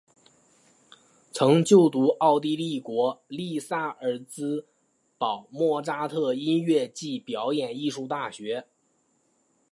曾就读奥地利国立萨尔兹堡莫札特音乐暨表演艺术大学。